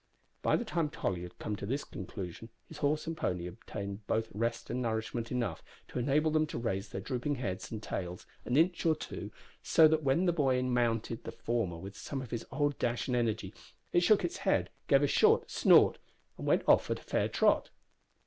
By the time Tolly had come to this conclusion his horse and pony had obtained both rest and nourishment enough to enable them to raise their drooping heads and tails an inch or two, so that when the boy mounted the former with some of his old dash and energy, it shook its head, gave a short snort, and went off at a fair trot.